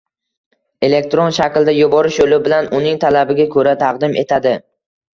elektron shaklda yuborish yo‘li bilan uning talabiga ko‘ra taqdim etadi.